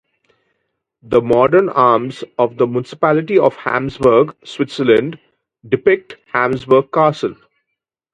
The modern arms of the municipality of Habsburg, Switzerland, depict Habsburg Castle.